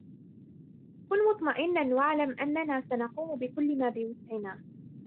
كن مطمئنا و اعلم أننا سنقوم بكل ما بوسعنا.